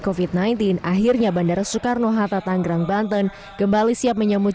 kofit sembilan belas akhirnya bandara soekarno hatta tanggerang banten kembali siap menyambut